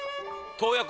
「洞爺湖？」